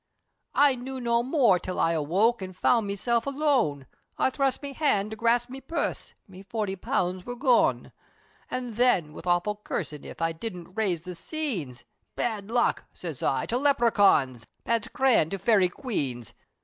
I knew no more, till I awoke, An' found meself alone, I thrust me hand, to grasp me purse, Me forty pounds wor gone! O then, with awful cursin', if I didn't raise the scenes, "Bad luck!" siz I, "to Leprechauns, Bad scran, to Fairy Queens!